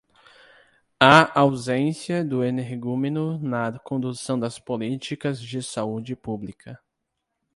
A ausência do energúmeno na condução das políticas de saúde pública